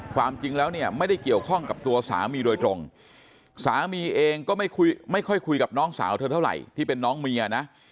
ความจริงแล้วเนี่ยไม่ได้เกี่ยวข้องกับตัวสามีโดยตรงสามีเองก็ไม่ค่อยคุยกับน้องสาวเธอเท่าไหร่ที่เป็นน้องเมียนะ